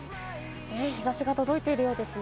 日差しが届いているんですね。